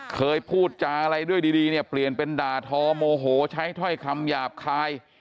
เคยพูดจาอะไรด้วยดีเนี่ยเปลี่ยนเป็นด่าทอโมโหใช้ถ้อยคำหยาบคาย